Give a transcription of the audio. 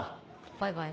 バイバイ。